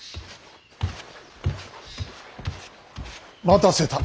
待たせた。